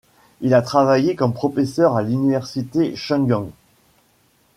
Il a travaillé comme professeur à l'université Chung-Ang.